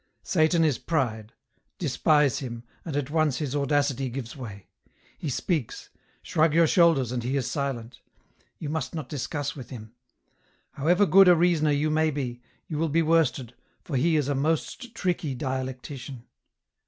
" Satan is pride ; despise him, and at once his audacity gives way ; he speaks ; shrug your shoulders and he is silent. You must not discuss with him ; however good a reasoner you may be, you will be worsted, for he is a most tricky dialectician."